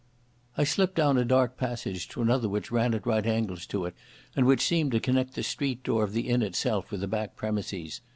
I slipped down a dark passage to another which ran at right angles to it, and which seemed to connect the street door of the inn itself with the back premises.